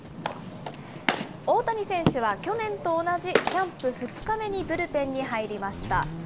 大谷選手は去年と同じ、キャンプ２日目にブルペンに入りました。